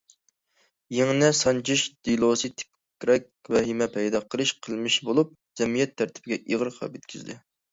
‹‹ يىڭنە سانجىش›› دېلوسى تىپىكرەك ۋەھىمە پەيدا قىلىش قىلمىشى بولۇپ، جەمئىيەت تەرتىپىگە ئېغىر خەۋپ يەتكۈزدى.